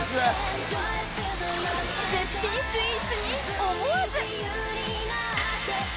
絶品スイーツに思わず